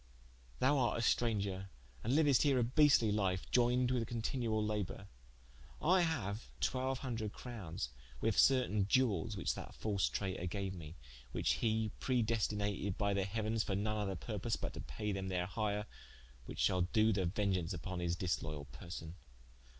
Thou art a straunger and liuest here a beastly life, ioyned with continuall labour: I haue twelve hundred crownes with certaine Iewelles, which that false traitour gaue me, which he predestinated by the heauens for none other purpose but to paie them their hire, which shall do the vengeaunce vpon his disloyall persone.